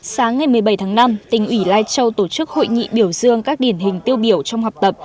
sáng ngày một mươi bảy tháng năm tỉnh ủy lai châu tổ chức hội nghị biểu dương các điển hình tiêu biểu trong học tập